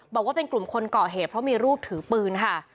บอกว่าเป็นกลุ่มคนก่อเหตุเพราะมีรูปถือปืนค่ะ